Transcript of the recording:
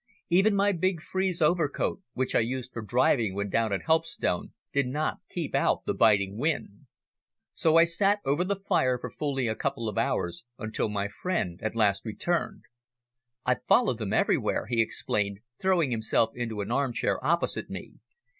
Even my big frieze overcoat, which I used for driving when down at Helpstone, did not keep out the biting wind. So I sat over the fire for fully a couple of hours until my friend at last returned. "I've followed them everywhere," he explained, throwing himself into an armchair opposite me.